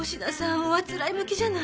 おあつらえ向きじゃない？